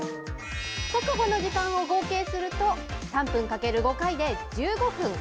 速歩の時間を合計すると、３分かける５回で１５分。